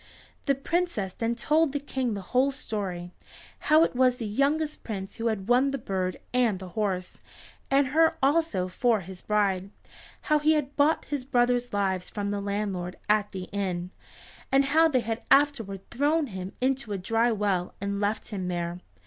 The Princess then told the King the whole story, how it was the youngest Prince who had won the bird and the horse, and her also for his bride; how he had bought his brothers' lives from the landlord at the inn, and how they had afterward thrown him into a dry well and left him there.